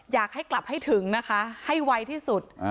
อยากให้กลับให้ถึงนะคะให้ไวที่สุด